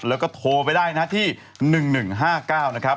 แล้วก็โทรไปได้นะที่๑๑๕๙นะครับ